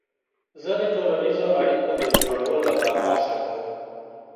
زه د ټولنیزو اړیکو د جوړولو لپاره هڅه کوم.